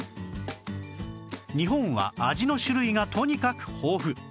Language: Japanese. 日本は味の種類がとにかく豊富